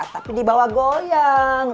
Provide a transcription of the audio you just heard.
tapi dibawa goyang